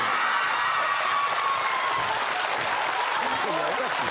いやおかしい